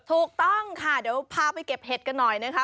ถูกต้องค่ะเดี๋ยวพาไปเก็บเห็ดกันหน่อยนะคะ